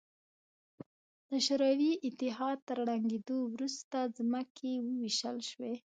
د شوروي اتحاد تر ړنګېدو وروسته ځمکې ووېشل شوې.